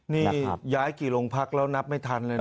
นี่ย้ายกี่โรงพักแล้วนับไม่ทันเลยนะ